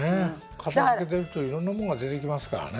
片づけてるといろんなもんが出てきますからね。